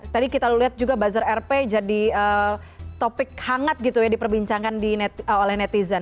tadi kita lihat juga buzzer rp jadi topik hangat gitu ya diperbincangkan oleh netizen